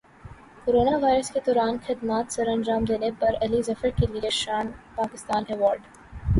corona virus کے دوران خدمات سرانجام دینے پر علی ظفر کیلئے شان پاکستان ایوارڈ